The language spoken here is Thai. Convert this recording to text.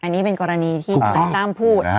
อันนี้เป็นกรณีที่ทนายตั้มพูด